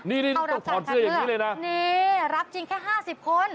นี่รับจริงแค่๕๐คน